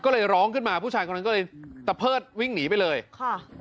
ก็เลยร้องขึ้นมาผู้ชายคนนั้นก็เลยตะเพิดวิ่งหนีไปเลยค่ะ